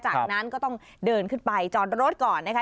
จากนั้นก็ต้องเดินขึ้นไปจอดรถก่อนนะคะ